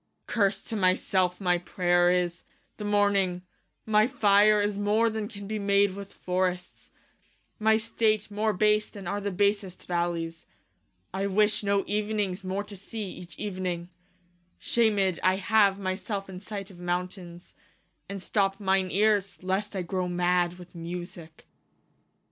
Klaius. Curse to my selfe my prayer is, the morning : My fire is more, then can be made with forrests ; My state more base, then are the basest vallies : I wish no evenings more to see, each evening \ Shamed I have my selfe in sight of mountaines , And stoppe mine eares, lest I growe mad with Musicke